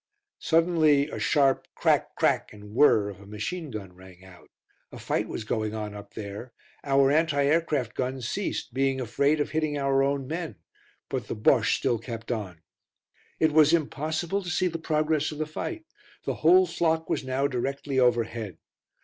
Suddenly a sharp crack, crack and whir of a machine gun rang out. A fight was going on up there; our anti aircraft guns ceased, being afraid of hitting our own men, but the Bosche still kept on. It was impossible to see the progress of the fight; the whole flock was now directly overhead.